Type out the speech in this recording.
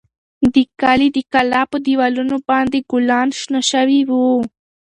د کلي د کلا په دېوالونو باندې ګلان شنه شوي وو.